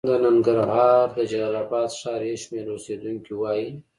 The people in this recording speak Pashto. د ننګرهار د جلال اباد ښار یو شمېر اوسېدونکي وايي